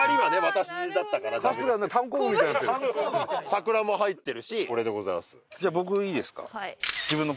桜も入ってるしこれでございます。